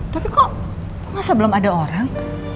tapi kok masa belum ada orang